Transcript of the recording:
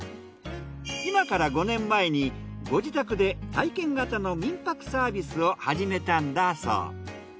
今から５年前にご自宅で体験型の民泊サービスをはじめたんだそう。